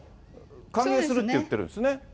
歓迎するって言ってるんですね。